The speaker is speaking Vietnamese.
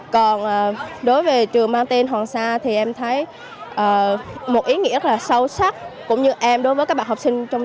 còn đối với trường mang tên hoàng sa thì em thấy một ý nghĩa rất là sâu sắc cũng như em đối với các bạn học sinh trong trường